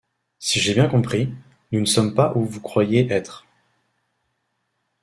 Si j’ai bien compris, nous ne sommes pas où vous croyiez être...